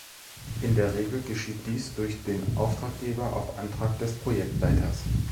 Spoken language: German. In der Regel geschieht dies durch den Auftraggeber auf Antrag des Projektleiters.